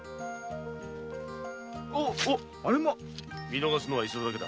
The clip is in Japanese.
見逃すのは一度だけだ。